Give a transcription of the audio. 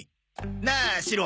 なあシロ。